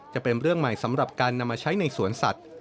จะเป็นเรื่องใหม่สำหรับการนำมาใช้ในสวนสัตว์